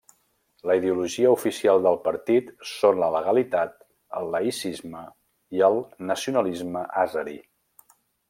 La ideologia oficial del partit són la legalitat, el laïcisme i el nacionalisme àzeri.